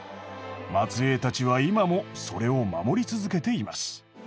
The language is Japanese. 末えいたちは今もそれを守り続けています。